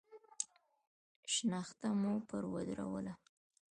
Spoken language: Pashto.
شنخته مو پر ودروله.